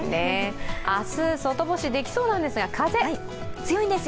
明日、外干しできそうなんですが風が強いんですね。